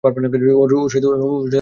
ওর সাথে ফোন ছিল না।